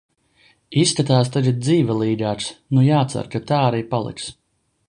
Izskatās tagad dzīvelīgāks, nu jācer, ka tā arī paliks.